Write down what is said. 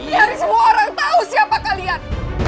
biarin semua orang tau siapa kalian